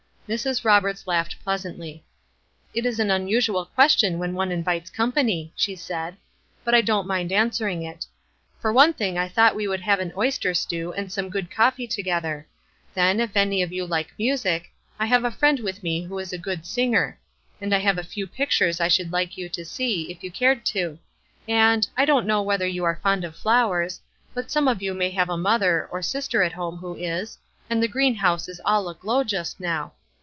Mrs. Roberts laughed pleasantly. "It is an unusual question, when one invites company," she said; "but I don't mind answering it. For one thing I thought we would have an oyster stew and some good coffee together. Then, if any of you like music, I have a friend with me who is a good singer; and I have a few pictures I should like you to see, if you cared to; and I don't know whether you are fond of flowers, but some of you may have a mother, or sister at home who is, and the greenhouse is all aglow just now.